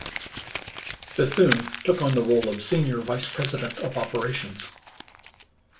Bethune took on the role of Senior Vice President of Operations.